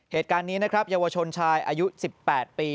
เหตุการณ์นี้นะครับเยาวชนชายอายุ๑๘ปี